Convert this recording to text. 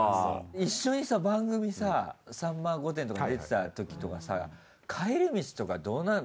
一緒にさ番組さ「さんま御殿」とか出てたときとかさ帰り道とかどうなんの？